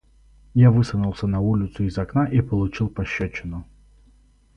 Я высунулся на улицу из окна и получил пощёчину.